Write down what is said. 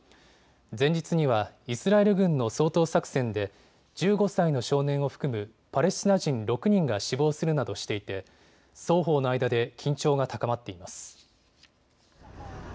前日にはイスラエル軍の掃討作戦で１５歳の少年を含むパレスチナ人６人が死亡するなどしていて双方の間で緊張が高まっています。